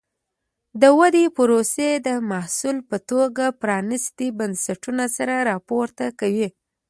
د ودې پروسې د محصول په توګه پرانیستي بنسټونه سر راپورته کوي.